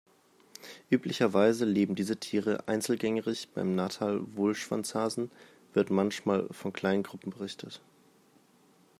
Üblicherweise leben diese Tiere einzelgängerisch, beim Natal-Wollschwanzhasen wird manchmal von kleinen Gruppen berichtet.